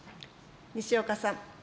西岡さん。